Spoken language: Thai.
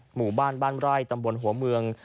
หมู่บ้านบ้านไร่ตำบลหัวเมือง